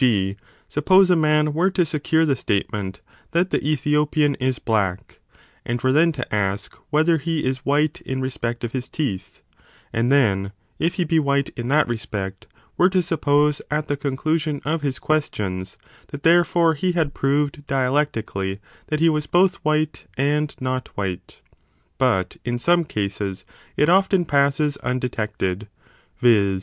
g. sup pose a man were to secure the statement that the Ethiopian is black, and were then to ask whether he is white in respect of his teeth ; and then, if he be white in that respect, were to suppose at the conclusion of his questions that therefore he had proved dialectically that he was both white and not white. But in some cases it often passes undetected, viz.